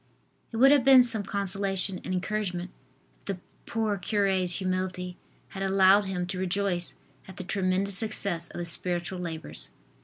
It would have been some consolation and encouragement if the poor cure's humility had allowed him to rejoice at the tremendous success of his spiritual labors.